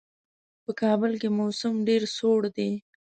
په کابل کې موسم ډېر سوړ دی.